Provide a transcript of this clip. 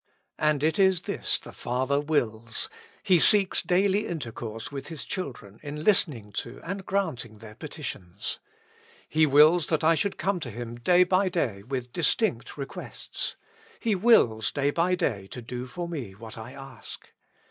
And it is this the Father wills : He seeks daily intercourse with his children in listening to and granting their petitions. He wills that I should 43 With Christ in the School of Prayer. come to Him day by day with distinct requests ; He wills day by day to do for me what I ask.